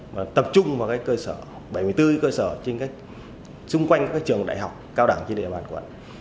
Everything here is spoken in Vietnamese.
mà tập trung vào cơ sở bảy mươi bốn cơ sở xung quanh các trường đại học cao đẳng trên địa bàn quận